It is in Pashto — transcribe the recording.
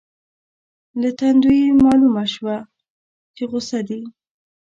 له تندو یې مالومه شوه چې غصه دي.